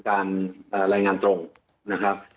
สวัสดีครับทุกคน